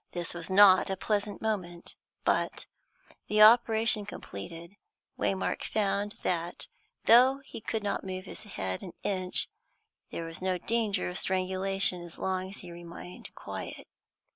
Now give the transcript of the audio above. This was not a pleasant moment, but, the operation completed, Waymark found that, though he could not move his head an inch, there was no danger of strangulation as long as he remained quiet.